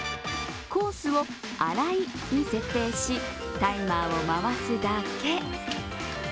コースを「洗い」に設定し、タイマーを回すだけ。